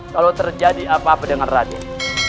kalau terjadi apa apa dengan raden